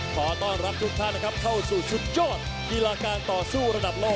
ขอต้อนรับทุกท่านนะครับเข้าสู่ชุดยอดกีฬาการต่อสู้ระดับโลก